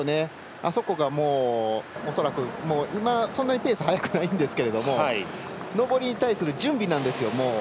あそこが、もうそんなにペース早くないんですが上りに対する準備なんですよ。